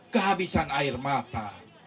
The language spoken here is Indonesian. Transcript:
kehabisan air mata